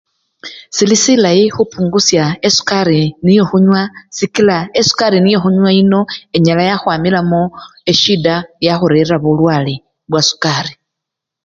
Sili silayi khupungusya esukari niyo khunywa sikila esukari niyo khunywa yino enyala yakhwamilamo esyida yakhurerila bulwale bwasulari.